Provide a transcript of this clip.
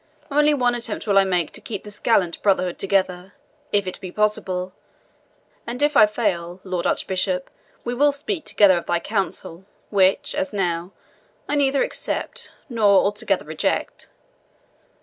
Only one attempt will I make to keep this gallant brotherhood together, if it be possible; and if I fail, Lord Archbishop, we will speak together of thy counsel, which, as now, I neither accept nor altogether reject.